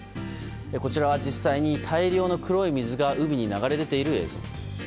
こちらは実際に大量の黒い水が海に流れ出ている画像。